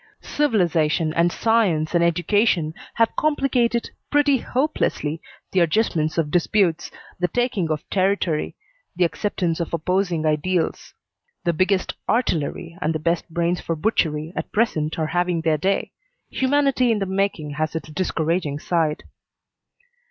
Civilization and science and education have complicated pretty hopelessly the adjustments of disputes, the taking of territory, and the acceptance of opposing ideals. The biggest artillery and the best brains for butchery at present are having their day. Humanity in the making has its discouraging side."